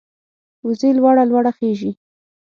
وزې لوړه لوړه خېژي